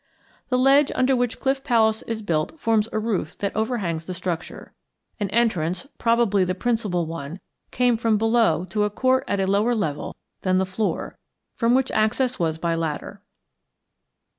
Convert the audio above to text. The ledge under which Cliff Palace is built forms a roof that overhangs the structure. An entrance, probably the principal one, came from below to a court at a lower level than the floor, from which access was by ladder.